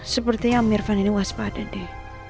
sepertinya mirfan ini waspada deh